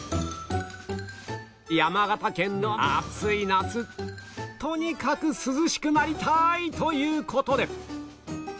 山形県の暑い夏とにかく涼しくなりたいという事で